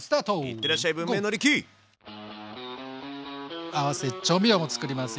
いってらっしゃい合わせ調味料もつくります。